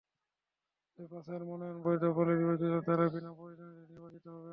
তবে বাছাইয়ে মনোনয়নপত্র বৈধ বলে বিবেচিত হলে তাঁরা বিনা প্রতিদ্বন্দ্বিতায় নির্বাচিত হবেন।